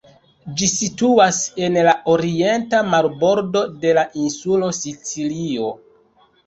Ĝi situas en la orienta marbordo de la insulo Sicilio.